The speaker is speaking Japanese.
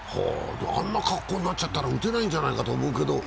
あんな格好になっちゃったら打てないんじゃないかと思うけど。